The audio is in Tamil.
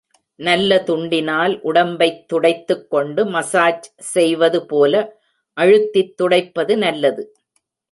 நல்ல துண்டினால், உடம்பைத் துடைத்துக் கொண்டு மசாஜ் செய்வது போல அழுத்தித் துடைப்பது நல்லது.